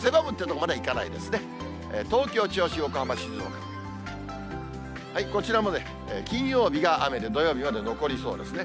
こちらも金曜日が雨で土曜日まで残りそうですね。